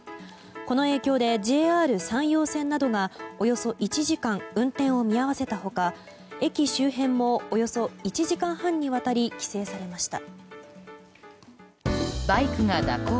この影響で、ＪＲ山陽線などがおよそ１時間運転を見合わせた他駅周辺もおよそ１時間半にわたり規制されました。